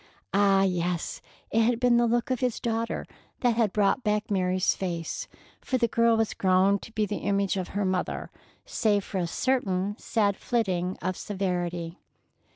Ah, yes! it had been the look of his daughter that had brought back Mary's face, for the girl was grown to be the image of her mother, save for a certain sad flitting of severity.